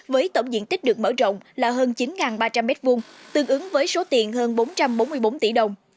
với tổng diện tích được mở rộng là hơn chín ba trăm linh m hai tương ứng với số tiền hơn bốn trăm bốn mươi bốn tỷ đồng